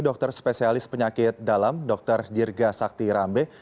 dokter spesialis penyakit dalam dr dirga sakti rambe